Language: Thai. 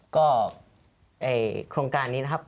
ก็โครงการนี้นะครับ